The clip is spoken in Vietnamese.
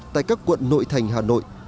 tại các quận nội thành hà nội